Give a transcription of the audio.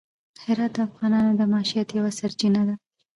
هرات د افغانانو د معیشت یوه سرچینه ده.